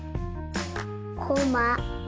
こま。